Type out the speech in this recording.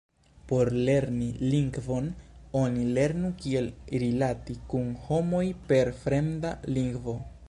Por lerni lingvon, oni lernu kiel rilati kun homoj per fremda lingvo.